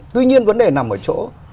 tuy nhiên vấn đề nằm ở chỗ